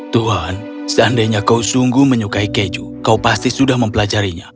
tuhan seandainya kau sungguh menyukai keju kau pasti sudah mempelajarinya